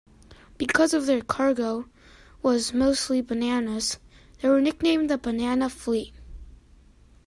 Because of their cargo was mostly bananas, they were nicknamed the "Banana Fleet".